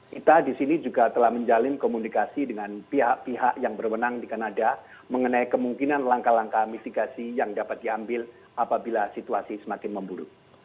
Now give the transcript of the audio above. kita di sini juga telah menjalin komunikasi dengan pihak pihak yang berwenang di kanada mengenai kemungkinan langkah langkah mitigasi yang dapat diambil apabila situasi semakin memburuk